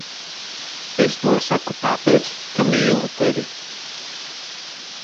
Es to saku tāpēc, ka mīlu tevi.